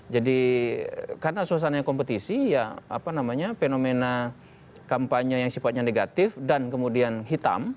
jadi karena suasana kompetisi ya apa namanya fenomena kampanye yang sifatnya negatif dan kemudian hitam